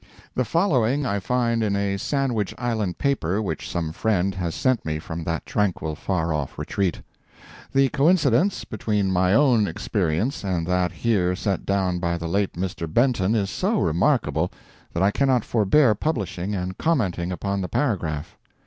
The following I find in a Sandwich Island paper which some friend has sent me from that tranquil far off retreat. The coincidence between my own experience and that here set down by the late Mr. Benton is so remarkable that I cannot forbear publishing and commenting upon the paragraph.